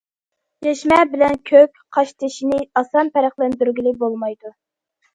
يەشمە بىلەن كۆك قاشتېشىنى ئاسان پەرقلەندۈرگىلى بولمايدۇ.